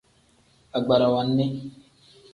Agbarawa nni.